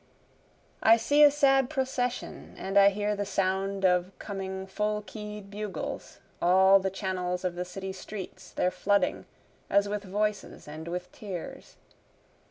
I see a sad procession, And I hear the sound of coming full key'd bugles, All the channels of the city streets they're flooding, As with voices and with tears.